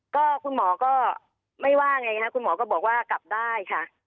ก็คุณหมอก็ไม่ว่าไงคะคุณหมอก็บอกว่ากลับได้ค่ะ